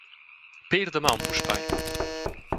Pér damaun puspei!